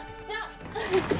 じゃあ